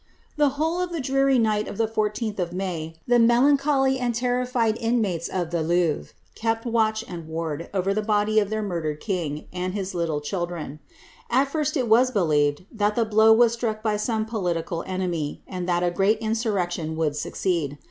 The whole of the dreary night of the 14th of May, the melancholy and terrified inmates of the Louvre kept watch and ward over the body of their murdered king, and his little children. At first it was believed that the blow was struck by some political enemy, and that a great in surrection would succeed.